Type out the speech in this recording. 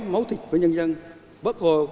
máu thịt với nhân dân bác hồ